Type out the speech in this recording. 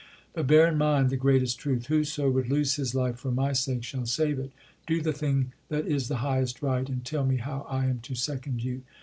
But bear in mind the greatest truth :" Whoso would lose his life for my sake shaU save it." Do the thing that is the highest right, and tell me how I am to second you.